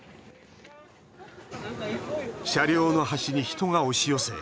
車両の端に人が押し寄せ